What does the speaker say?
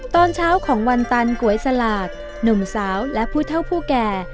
ตอนเช้าของวันจันทร์ก๋วยสลากหนุ่มสาวและผู้เท่าผู้แก่